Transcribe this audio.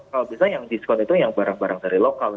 kalau bisa yang diskon itu yang barang barang dari lokal